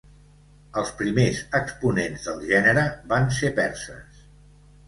Els primers exponents del gènere van ser perses.